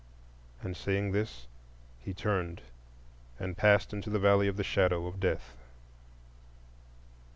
And saying this, he turned and passed into the Valley of the Shadow of Death.